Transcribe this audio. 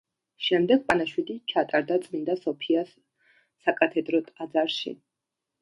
შემდეგ პანაშვიდი ჩატარდა წმინდა სოფიას საკათედრო ტაძარში.